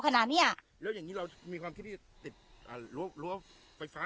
ขนาดเนี้ยแล้วอย่างงี้เรามีความคิดที่จะติดอ่ารั้วรั้วไฟฟ้า